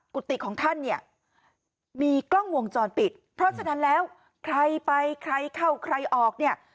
กุฏิของท่านเนี่ยมีกล้องวงจรปิดเพราะฉะนั้นแล้วใครไปใครเข้าใครออกเนี่ย